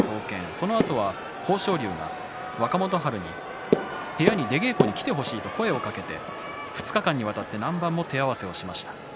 それから豊昇龍が若元春に部屋に出稽古に来てほしいと声をかけて２日間にわたって何番も手合わせしました。